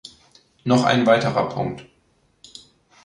Noch ein weiterer Punkt.